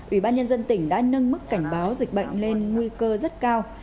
ủy ban nhân dân tỉnh đã nâng mức cảnh báo dịch bệnh lên nguy cơ rất cao